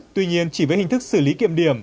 tuy nhiên chỉ với hình thức xử lý kiểm điểm